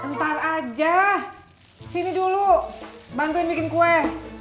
ntar aja sini dulu bantuin bikin kue